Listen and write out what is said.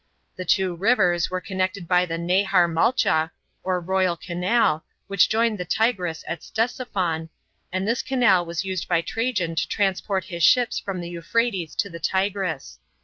The two rivers were connected by the Nahar mcdcha, or royal canal, which joined the Tigris at Ctesiphon, and this canal was used by Trajan to transport his ships from the Euphrates to the Tigris.